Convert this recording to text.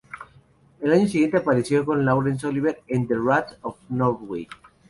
El año siguiente apareció con Laurence Olivier en "The Rats of Norway".